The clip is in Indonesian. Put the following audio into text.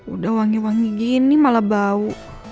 udah wangi wangi gini malah bau